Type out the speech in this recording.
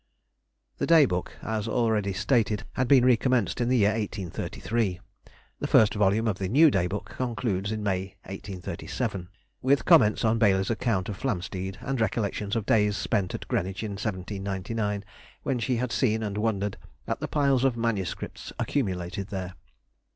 The "Day Book," as already stated, had been recommenced in the year 1833. The first volume of the new Day Book concludes in May, 1837, with comments on Baily's account of Flamsteed, and recollections of days spent at Greenwich in 1799, when she had seen and wondered at the piles of manuscripts accumulated there.